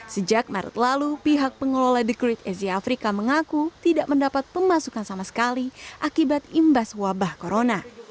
sejak maret lalu pihak pengelola the great asia afrika mengaku tidak mendapat pemasukan sama sekali akibat imbas wabah corona